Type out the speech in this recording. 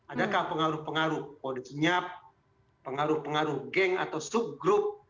adakah pengaruh pengaruh politiknyap pengaruh pengaruh geng atau sub grup